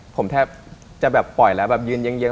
ผมแทบจะปล่อยแล้วยืนเยี้ยง